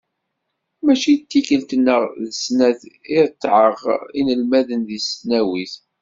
Mačči d tikkelt neɣ d snat i retɛeɣ inelmaden deg tesnawit.